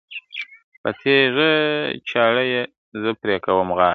په تېره چاړه یې زه پرېکوم غاړه ..